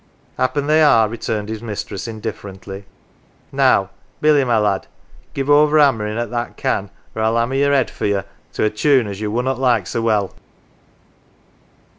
11 "Happen they are, 11 returned his mistress, indiffer ently. "Now, Billy, my lad, give over hammerin 1 at that can, or 111 hammer yer head for ye, to a tune as ye wunnot like so well.